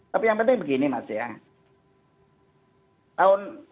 tapi yang penting begini mas ya